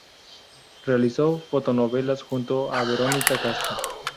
Realizó fotonovelas junto a Verónica Castro.